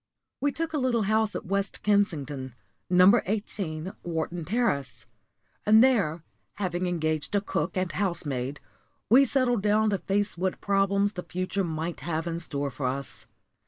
We took a little house at West Kensington No. 18, Wharton Terrace and there, having engaged a cook and housemaid, we settled down to face what problems the future might have in store for us.